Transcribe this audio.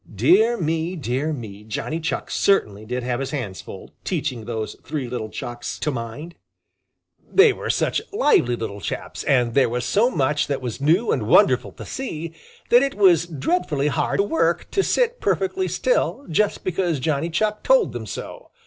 Dear me, dear me, Johnny Chuck certainly did have his hands full, teaching those three little Chucks to mind! They were such lively little chaps, and there was so much that was new and wonderful to see, that it was dreadfully hard work to sit perfectly still, just because Johnny Chuck told them to.